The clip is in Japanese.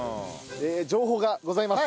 情報がございます。